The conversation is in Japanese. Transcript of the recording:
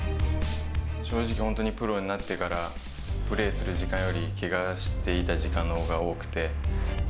正直、本当にプロになってから、プレーする時間よりけがしていた時間のほうが多くて。